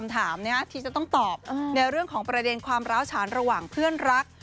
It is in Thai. ถามที่จะต้องตอบในเรื่องของประเด็นความร้าวฉานระหว่างเพื่อนรัก